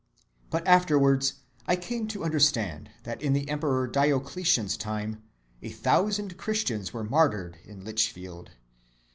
But afterwards I came to understand, that in the Emperor Diocletian's time a thousand Christians were martyr'd in Lichfield.